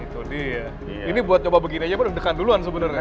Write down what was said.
itu dia ini buat coba begini aja pak udah dekan duluan sebenarnya